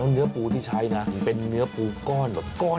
เนื้อปูที่ใช้นะเป็นเนื้อปูก้อน